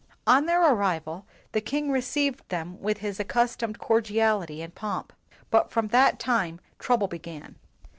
On their arrival, the king received them with his accustomed cordiality and pomp. But from that time trouble began.